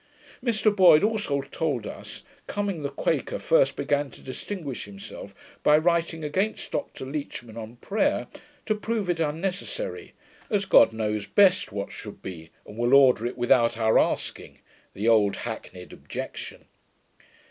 Mr Boyd also told us, Cumming the Quaker first began to distinguish himself, by writing against Dr Leechman on prayer, to prove it unnecessary, as God knows best what should be, and will order it without our asking the old hackneyed objection.